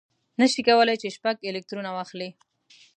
نه شي کولای چې شپږ الکترونه واخلي.